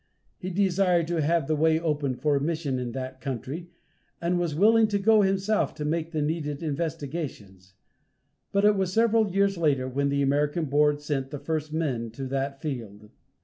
He desired to have the way opened for a mission in that country, and was willing to go himself to make the needed investigations. But it was seven years later when the American Board sent the first men to that field.